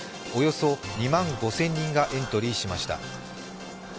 およそ２万５０００人がエントリーしました。